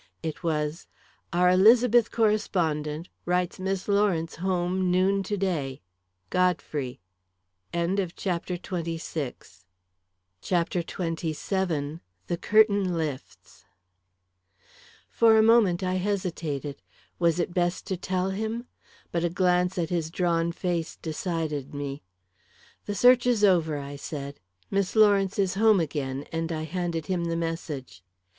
It was: "Our Elizabeth correspondent wires Miss Lawrence home noon to day. "GODFREY." CHAPTER XXVII The Curtain Lifts For a moment I hesitated. Was it best to tell him? But a glance at his drawn face decided me. "The search is over," I said. "Miss Lawrence is home again," and I handed him the message.